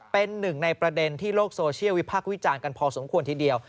เป็นหนึ่งในประเด็นที่โลกโซเชียลวิพากษ์วิจารณ์กันพอสมควรทีเดียว